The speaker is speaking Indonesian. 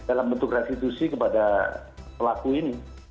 dalam bentuk restitusi kepada pelaku ini